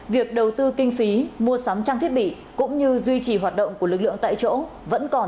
việc đầu tư kinh phí mua sắm trang thiết bị cũng như duy trì hoạt động của lực lượng tại chỗ vẫn còn